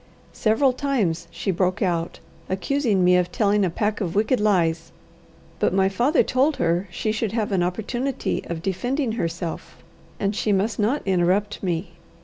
Several times she broke out, accusing me of telling a pack of wicked lies, but my father told her she should have an opportunity of defending herself, and she must not interrupt me.